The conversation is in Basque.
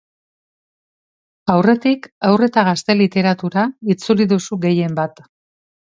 Aurretik haur eta gazte literatura itzuli duzu gehienbat.